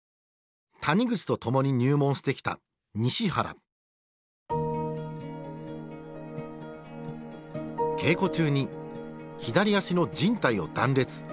谷口と共に入門してきた稽古中に左足のじん帯を断裂。